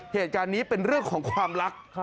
เหตุการณ์นี้เป็นเรื่องของความรัก